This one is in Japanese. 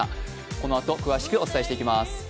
このあと詳しくお伝えしてまいります。